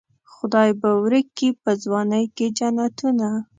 خدای به ورکي په ځوانۍ کې جنتونه.